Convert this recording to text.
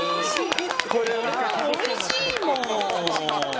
おいしいもん！